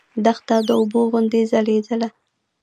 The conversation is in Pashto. دښته د اوبو غوندې ځلېدله.